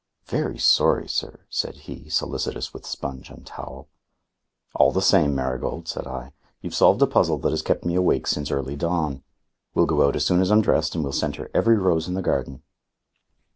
"Very sorry, sir," said he, solicitous with sponge and towel. "All the same, Marigold," said I, "you've solved a puzzle that has kept me awake since early dawn. We'll go out as soon as I'm dressed and we'll send her every rose in the garden."